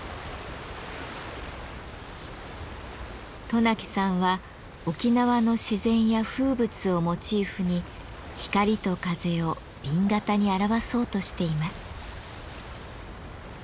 渡名喜さんは沖縄の自然や風物をモチーフに光と風を紅型に表そうとしています。